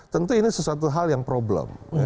tentu ini sesuatu hal yang problem